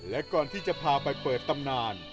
และก่อนที่จะพาไปเปิดตำนาน